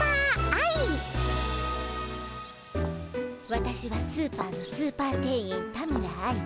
私はスーパーのスーパー店員田村愛。